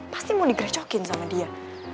pasti mau digerecokin sama dia